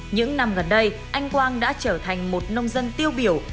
những năm gần đây anh quang đã trở thành một nông dân tiêu biểu